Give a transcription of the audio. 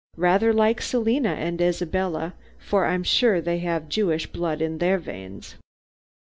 Rather like Selina and Isabella, for I'm sure they have Jewish blood in their veins.